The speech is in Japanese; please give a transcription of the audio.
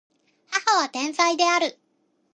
母は天才である